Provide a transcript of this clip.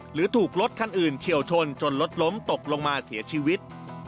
หรือถูกรถคันอื่นเฉียวชนจนรถล้มตกลงมาเสียชีวิต